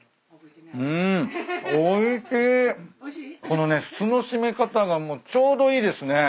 このね酢の締め方がもうちょうどいいですね。